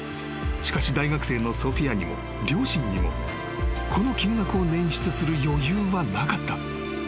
［しかし大学生のソフィアにも両親にもこの金額を捻出する余裕はなかった］